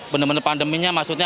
benar benar pandeminya maksudnya